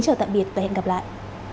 hẹn gặp lại